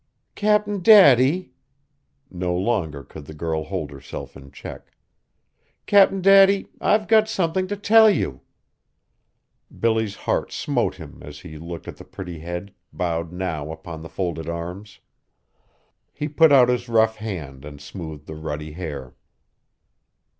"Cap'n Daddy!" No longer could the girl hold herself in check. "Cap'n Daddy, I've got something to tell you!" Billy's heart smote him as he looked at the pretty head, bowed now upon the folded arms. He put out his rough hand and smoothed the ruddy hair.